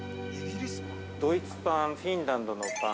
◆ドイツパン、フィンランドのパン。